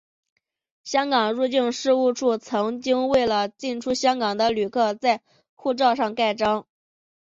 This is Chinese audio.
香港入境事务处曾经为进出香港的旅客在护照上盖章。